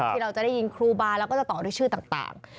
ที่เราจะได้ยินครูบาแล้วก็จะต่อด้วยชื่อต่าง